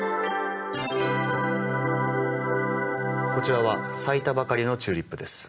こちらは咲いたばかりのチューリップです。